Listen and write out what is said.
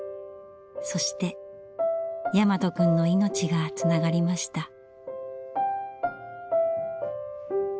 そして大和くんの命がつながりました。